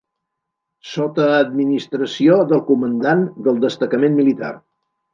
Sota administració del comandant del destacament militar.